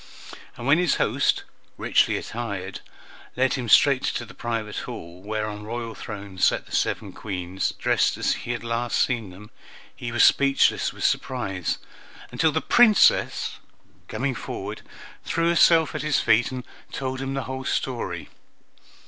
And when his host, richly attired, led him straight to the private hall, where on royal thrones sat the seven Queens, dressed as he had last seen them, he was speechless with surprise, until the Princess, coming forward, threw herself at his feet and told him the whole story.